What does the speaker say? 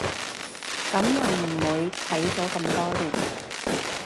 噉又唔會，睇咗咁多年